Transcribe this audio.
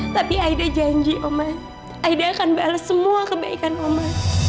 tapi aida janji oman aida akan bales semua kebaikan oma